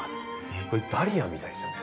ダリアみたいですよね。